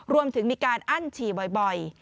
รวมถึงมีการอั้นฉี่บ่อย